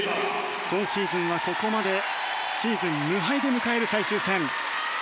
今シーズンはここまでシーズン無敗で迎える最終戦。